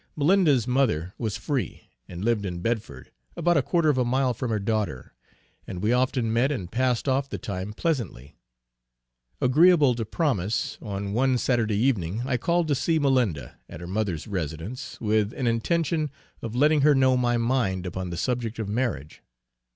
Malinda's mother was free, and lived in Bedford, about a quarter of a mile from her daughter; and we often met and passed off the time pleasantly. Agreeable to promise, on one Saturday evening, I called to see Malinda, at her mother's residence, with an intention of letting her know my mind upon the subject of marriage.